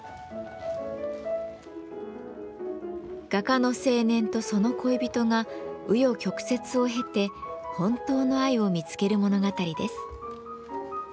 画家の青年とその恋人がう余曲折を経て本当の愛を見つける物語です。